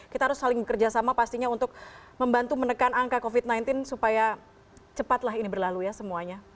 kita harus saling bekerja sama pastinya untuk membantu menekan angka covid sembilan belas supaya cepatlah ini berlalu ya semuanya